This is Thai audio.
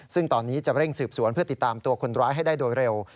ซึ่งตอนนี้จะเร่งสืบสวนเพื่อติดตามตัวคนร้ายให้ได้โดยเร็ว